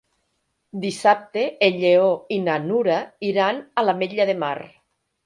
Dissabte en Lleó i na Nura iran a l'Ametlla de Mar.